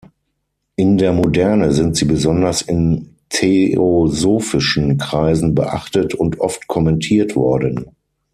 In der Moderne sind sie besonders in theosophischen Kreisen beachtet und oft kommentiert worden.